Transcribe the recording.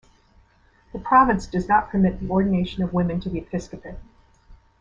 The province does not permit the ordination of women to the episcopate.